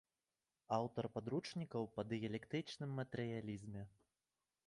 Аўтар падручнікаў па дыялектычным матэрыялізме.